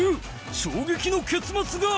衝撃の結末が！